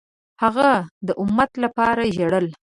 هغه د امت لپاره ژړل.